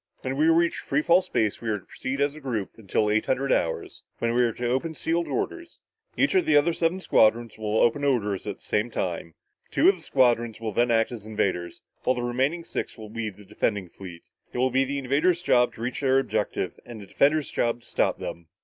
When we reach free fall space, we are to proceed as a group until eight hundred hours, when we are to open sealed orders. Each of the other seven squadrons will open their orders at the same time. Two of the squadrons will then act as invaders while the remaining six will be the defending fleet. It will be the invaders' job to reach their objective and the defenders' job to stop them."